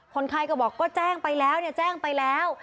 คนไข้ก็บอกก็แจ้งไปแล้วเนี่ยแจ้งไปแล้ว